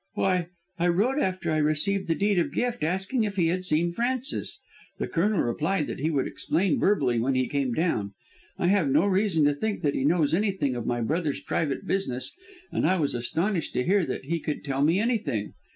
"Why, I wrote after I received the Deed of Gift, asking if he had seen Francis. The Colonel replied that he would explain verbally when he came down. I have no reason to think that he knows anything of my brother's private business and I was astonished to hear that he could tell me anything.